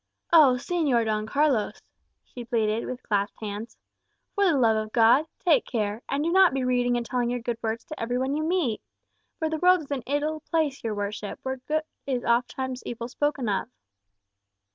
"Oh, Señor Don Carlos," she pleaded, with clasped hands, "for the love of God, take care; and do not be reading and telling your good words to every one you meet. For the world is an ill place, your worship, where good is ofttimes evil spoken of."